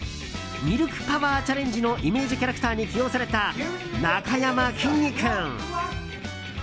ＭＩＬＫＰＯＷＥＲチャレンジのイメージキャラクターに起用された、なかやまきんに君。